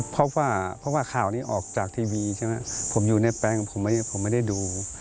เพราะว่าเพราะว่าข่าวนี้ออกจากทีวีใช่ไหมผมอยู่ในแปลงผมไม่ได้ดู